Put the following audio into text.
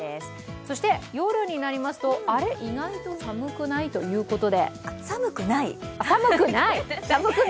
そして夜になりますと、あれ、意外と寒くないということで。